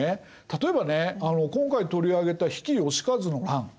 例えばね今回取り上げた比企能員の乱。